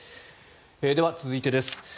では続いてです。